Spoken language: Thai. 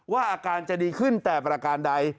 อาการจะดีขึ้นแต่ประการใด